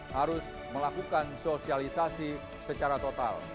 harus melakukan sosialisasi secara total